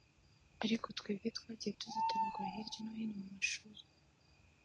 Ariko twebwe twagiye tuzitoragura hirya no hino mu mashuri